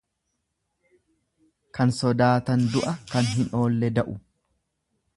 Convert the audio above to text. Kan sodaatan du'a, kan hin oolle da'u.